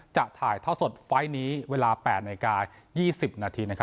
จะถ่ายท่อสดไฟล์นี้เวลา๘นาฬิกา๒๐นาที